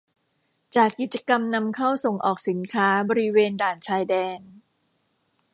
จากกิจกรรมนำเข้าส่งออกสินค้าบริเวณด่านชายแดน